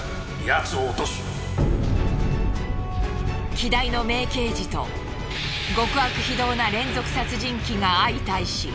希代の名刑事と極悪非道な連続殺人鬼が相対し